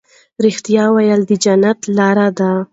رښتیا ویل د جنت لار ده.